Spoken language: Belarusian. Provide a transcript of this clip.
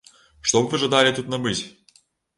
Што б вы жадалі тут набыць?